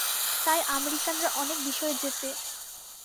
তায় আমেরিকানরা অনেক বিষয়ে জেতে।